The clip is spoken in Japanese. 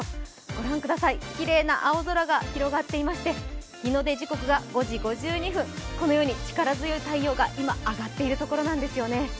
ご覧ください、きれいな青空が広がっていまして、日の出時刻が５時５２分、このように力強い太陽が今上がっているところなんですね